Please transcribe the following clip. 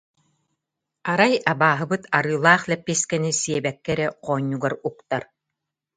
Арай «абааһыбыт» арыылаах лэппиэскэни сиэбэккэ эрэ хоонньугар уктар